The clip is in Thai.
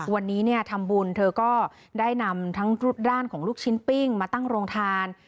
วันนี้เนี่ยทำบุญเธอก็ได้นำทั้งด้านของลูกชิ้นปิ้งมาตั้งโรงทาน